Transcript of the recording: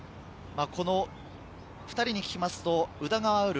２人に聞きますと、宇田川侑